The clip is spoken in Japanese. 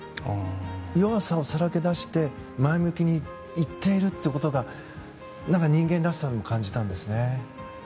弱さをさらけ出して前向きに言っているということが人間らしさのように感じたんですね。